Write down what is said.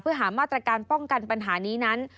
เพื่อหามาตรการป้องกันปัญหานี้นั้น